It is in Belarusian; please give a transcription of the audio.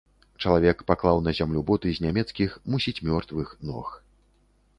Чалавек паклаў на зямлю боты з нямецкіх, мусіць мёртвых, ног.